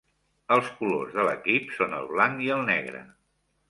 Els colors de l'equip són el blanc i el negre.